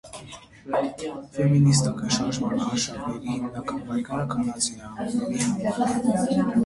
Ֆեմինիստական շարժման արշավների հիմնական պայքարը կանանց իրավունքների համար է։